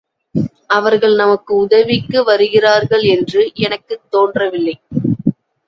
அவர்கள் நமக்கு உதவிக்கு வருகிறார்கள் என்று எனக்குத் தோன்றவில்லை.